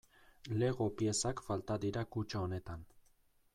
Lego piezak falta dira kutxa honetan.